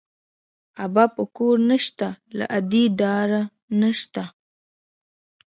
ابا په کور نه شته، له ادې ډار نه شته